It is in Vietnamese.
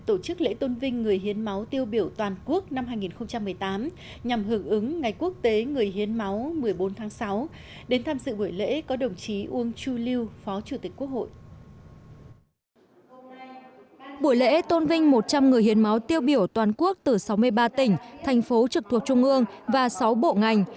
buổi lễ tôn vinh một trăm linh người hiến máu tiêu biểu toàn quốc từ sáu mươi ba tỉnh thành phố trực thuộc trung ương và sáu bộ ngành